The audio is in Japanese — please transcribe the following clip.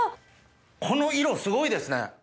この色すごいですね！